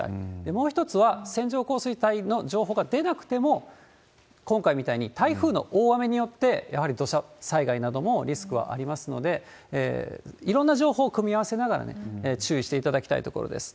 もう一つは、線状降水帯の情報が出なくても、今回みたいに台風の大雨によって、やはり土砂災害などもリスクはありますので、いろんな情報を組み合わせながら注意していただきたいところです。